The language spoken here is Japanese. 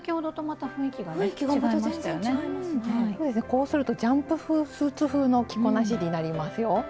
こうするとジャンプスーツ風の着こなしになりますよ。